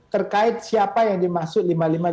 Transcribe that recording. terkait siapa yang dimaksud lima ribu lima ratus lima puluh enam